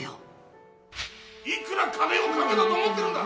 いくら金をかけたと思ってるんだ！